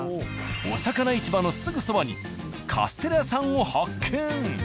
おさかな市場のすぐそばにカステラ屋さんを発見。